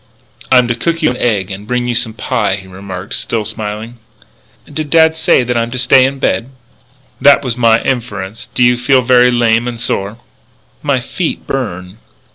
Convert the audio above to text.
"I'm to cook you an egg and bring you some pie," he remarked, still smiling. "Did dad say I am to stay in bed?" "That was my inference. Do you feel very lame and sore?" "My feet burn."